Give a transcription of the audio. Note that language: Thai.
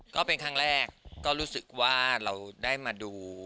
ก็เป็นครั้งแรกก็รู้สึกว่าเราได้มาดู